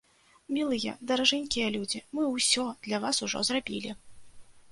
Мілыя, даражэнькія людзі, мы ўсё для вас ужо зрабілі!